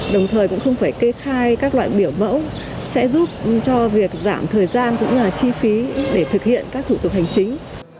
đồng thời cũng không phải kê khai các loại biểu mẫu sẽ giúp cho việc giảm thời gian cũng như là chi phí để thực hiện các thủ tục hành chính